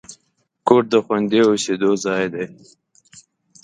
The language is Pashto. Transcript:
کور د خوندي اوسېدو ځای دی.